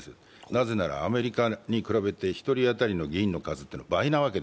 なぜなら、アメリカに比べて１人当たりの議員の数は倍なので。